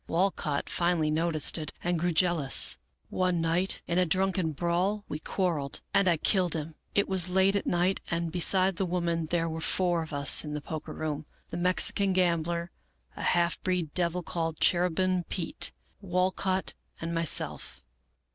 Walcott finally noticed it, and grew jealous. " One night, in a drunken brawl, we quarreled, and I killed him. It was late at night, and, beside the woman, there were four of us in the poker room, — the Mexican 74 Melville Davisson Post gambler, a half breed devil called Cherubim Pete, Walcott, and myself.